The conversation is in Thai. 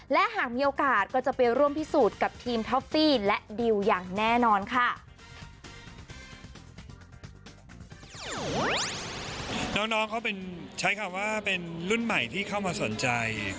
และหากมีโอกาสก็จะไปร่วมพิสูจน์กับทีมท็อฟฟี่และดิวอย่างแน่นอนค่ะ